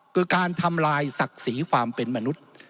คือการทำลายศักดิ์ศรีความเป็นมนุษย์